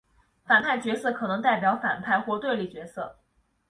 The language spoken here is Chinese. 反派角色可能代表反派或对立角色。